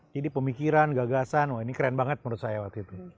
jadi pemikiran gagasan wah ini keren banget menurut saya waktu itu